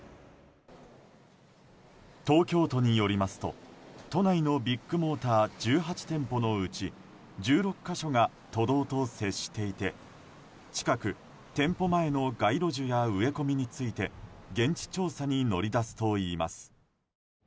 東京都によりますと、都内のビッグモーター１８店舗のうち１６か所が都道と接していて近く、店舗前の街路樹や植え込みについて現地調査に乗り出すといいます。